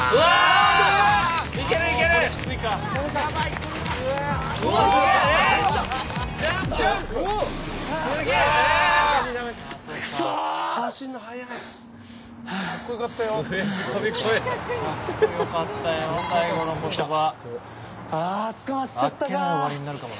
ああ、捕まっちゃったか。